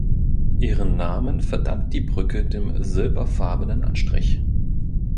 Ihren Namen verdankt die Brücke dem silberfarbenen Anstrich.